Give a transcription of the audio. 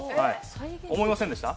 思いませんでした？